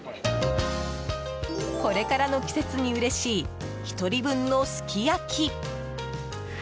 これからの季節にうれしい１人分のすき焼き。